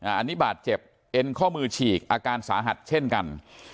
อันนี้บาดเจ็บเอ็นข้อมือฉีกอาการสาหัสเช่นกัน